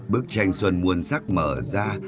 bức tranh xuân muôn sắc mở ra